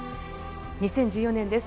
２０１４年です。